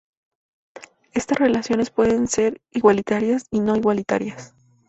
Estas relaciones pueden ser igualitarias o no igualitarias.